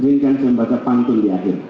izinkan saya membaca panggung di akhir